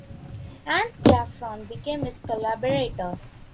Hans Gaffron became his collaborator.